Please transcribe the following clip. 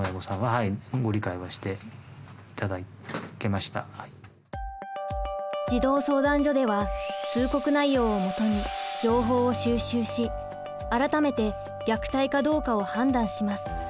まあ一応これは虐待行為児童相談所では通告内容をもとに情報を収集し改めて虐待かどうかを判断します。